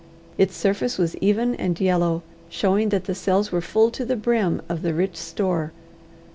Its surface was even and yellow, showing that the cells were full to the brim of the rich store.